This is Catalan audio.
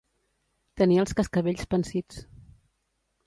Tenir els cascavells pansits.